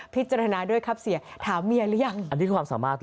พิจารณาด้วยครับเสียถามเมียหรือยังอันนี้ความสามารถหรอ